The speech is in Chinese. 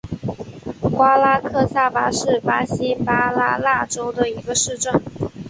瓜拉克萨巴是巴西巴拉那州的一个市镇。